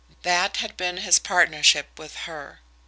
That had been his partnership with her.